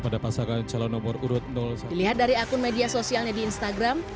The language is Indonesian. dilihat dari akun media sosialnya di instagram